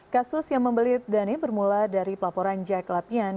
kasus yang membelit dhani bermula dari pelaporan jaya kelapian